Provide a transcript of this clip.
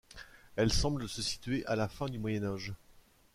Elle semble se situer à la fin du Moyen Âge.